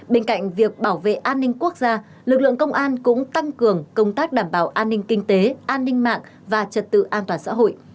bên cạnh việc bảo vệ an ninh quốc gia lực lượng công an cũng tăng cường công tác đảm bảo an ninh kinh tế an ninh mạng và trật tự an toàn xã hội